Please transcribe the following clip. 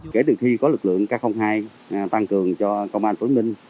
kể từ khi có lực lượng k hai tăng cường cho công an tp hcm